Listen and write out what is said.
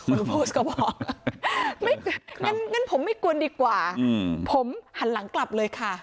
พูดก็บอกไม่งั้นผมไม่กวนดีกว่าผมหันหลังกลับเลยค่ะ